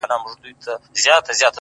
دعا . دعا . دعا .دعا كومه.